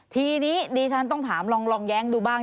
ทีนี้ดิฉันต้องถามลองแย้งดูบ้าง